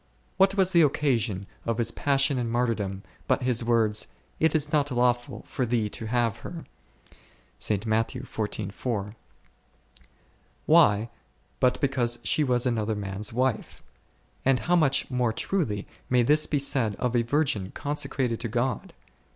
What was the occasion of his passion and martyrdom but his words, It is not lawful for thee to have her h ? Why, but because she was another man's wife ; and how much more truly may this be said of a virgin consecrated to God